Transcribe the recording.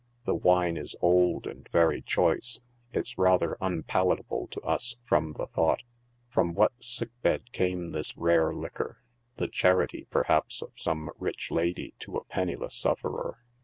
The wine is olu and very choice; it's rather unpalatable to us from the thought, " from what sick bed came this rare liquor, the charity, perhaps, of some rich lady to a penniless sufferer